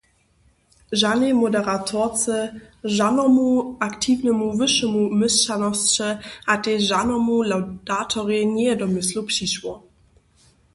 Žanej moderatorce, žanomu aktiwnemu wyšemu měšćanosće a tež žanomu lawdatorej njeje do myslow přišło.